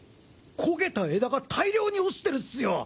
焦げた枝が大量に落ちてるっスよ！